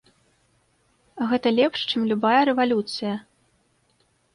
Гэта лепш, чым любая рэвалюцыя.